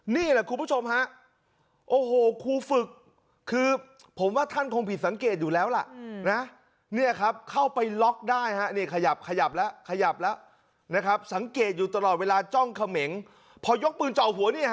นี่แหละคุณผู้ชมฮะโอ้โหครูฝึกคือผมว่าท่านคงผิดสังเกตอยู่แล้วล่ะนะเนี่ยครับเข้าไปล็อกได้ฮะนี่ขยับขยับแล้วขยับแล้วนะครับสังเกตอยู่ตลอดเวลาจ้องเขมงพอยกปืนจ่อหัวเนี่ยฮ